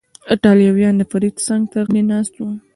ایټالویان، د فرید څنګ ته غلی ناست و.